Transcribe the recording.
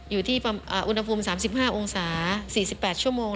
อยู่ที่อุณหภูมิ๓๕องศา๔๘ชั่วโมง